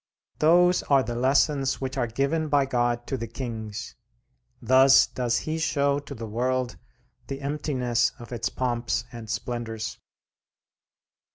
Those are the lessons which are given by God to the kings; thus does He show to the world the emptiness of its pomps and splendors.